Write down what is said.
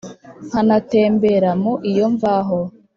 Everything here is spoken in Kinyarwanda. nkanatembera mu iyo mvaho